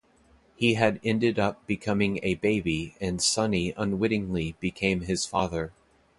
He had ended up becoming a baby and Sunny unwittingly became his father.